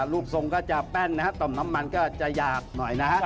ลูกทรงก็จะแป้นนะครับต่อมน้ำมันก็จะหยาบหน่อยนะครับ